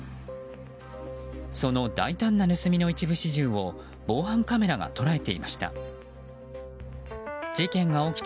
その大胆な盗みの一部始終を防犯カメラが捉えていました。